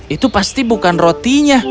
itu pasti bukan rotinya